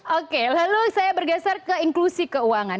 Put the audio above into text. oke lalu saya bergeser ke inklusi keuangan